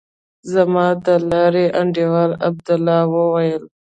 زما د لارې انډيوال عبدالله وويل.